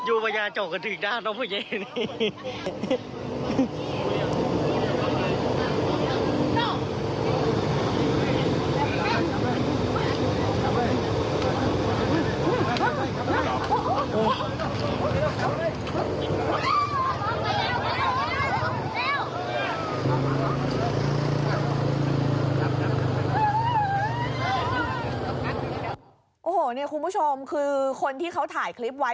โอ้โหเนี่ยคุณผู้ชมคือคนที่เขาถ่ายคลิปไว้